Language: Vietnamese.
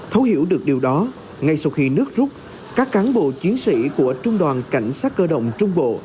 thấu hiểu được điều đó ngay sau khi nước rút các cán bộ chiến sĩ của trung đoàn cảnh sát cơ động trung bộ